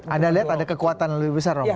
anda lihat ada kekuatan yang lebih besar romo